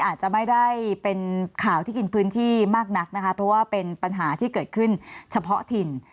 อาจจะไม่ได้เป็นข่าวที่กินพื้นที่มากนักนะคะเพราะว่าเป็นปัญหาที่เกิดขึ้นเฉพาะถิ่น